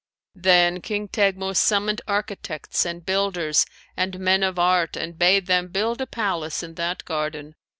Then King Teghmus summoned architects and builders and men of art and bade them build a palace in that garden.